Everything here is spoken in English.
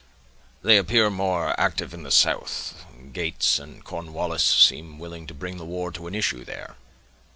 "They appear more active in the south; Gates and Cornwallis seem willing to bring the war to an issue there."